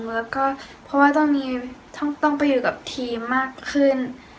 แล้วก็เพราะว่าตอนนี้ต้องไปอยู่กับทีมมากขึ้น